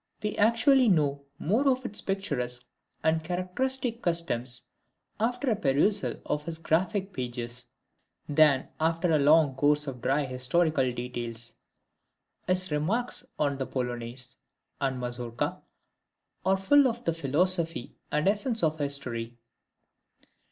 We actually know more of its picturesque and characteristic customs after a perusal of his graphic pages, than after a long course of dry historical details. His remarks on the Polonaise and Mazourka are full of the philosophy and essence of history.